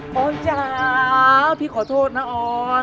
พ่อจ๋าอ้าพี่ขอโทษนะออล